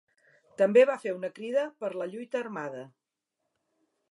També va fer una crida per la lluita armada.